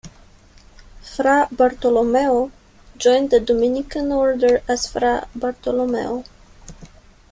Fra Bartolommeo joined the Dominican order as Fra Bartolomeo.